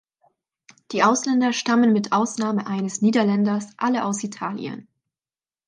Die Ausländer stammen mit Ausnahme eines Niederländers alle aus Italien.